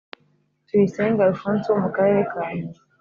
Tuyisenge Alphonse wo mu Akarere ka huye